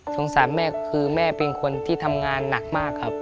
สามแม่คือแม่เป็นคนที่ทำงานหนักมากครับ